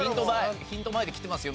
ヒント前できてますよ